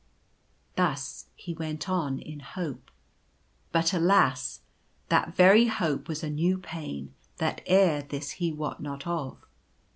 Thus he went on in hope. But alas ! that very hope was a new pain that ere this he wot not of.